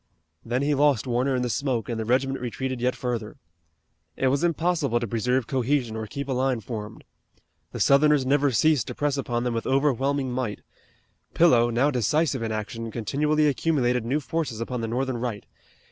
Then he lost Warner in the smoke and the regiment retreated yet further. It was impossible to preserve cohesion or keep a line formed. The Southerners never ceased to press upon them with overwhelming weight. Pillow, now decisive in action, continually accumulated new forces upon the Northern right.